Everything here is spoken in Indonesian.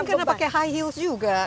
mungkin karena pakai high heels juga